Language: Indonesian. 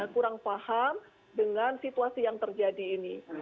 kurang paham dengan situasi yang terjadi ini